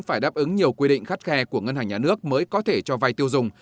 phải đáp ứng nhiều quy định khắt khe của ngân hàng nhà nước mới có thể cho vay tiêu dùng